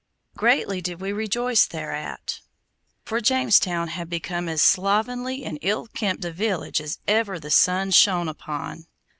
Greatly did we rejoice thereat, for Jamestown had become as slovenly and ill kempt a village as ever the sun shone upon.